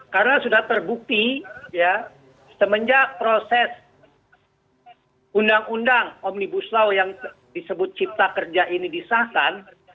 karena sudah terbukti ya semenjak proses undang undang omnibus law yang disebut cipta kerja ini disahkan